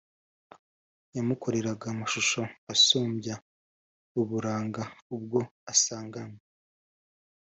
yamukoreraga amashusho asumbya uburanga ubwo asanganywe,